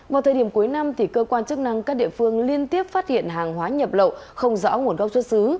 vào thời điểm cuối năm cơ quan chức năng các địa phương liên tiếp phát hiện hàng hóa nhập lậu không rõ nguồn gốc xuất xứ